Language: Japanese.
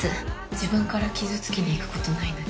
自分から傷つきにいくことないのに。